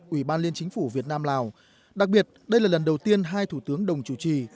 ủy ban liên chính phủ việt nam lào đặc biệt đây là lần đầu tiên hai thủ tướng đồng chủ trì